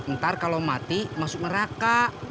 ntar kalau mati masuk neraka